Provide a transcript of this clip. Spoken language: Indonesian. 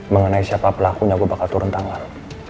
mengenai siapa pelakunya gue bakal turun tangan